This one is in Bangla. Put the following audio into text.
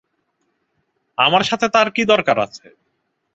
আমার সাথে তাঁর কী দরকার আছে?